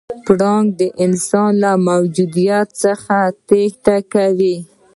پړانګ د انسان له موجودیت څخه تېښته کوي.